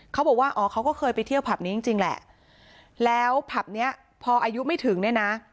เขาบอกว่าอ๋อเขาก็เคยไปเที่ยวผับนี้จริงจริงแหละแล้วผับเนี้ยพออายุไม่ถึงเนี่ยนะ